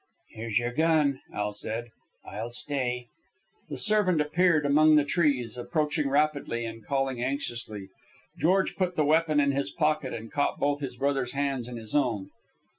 "Here's your gun," Al said. "I'll stay." The servant appeared among the trees, approaching rapidly and calling anxiously. George put the weapon in his pocket and caught both his brother's hands in his own.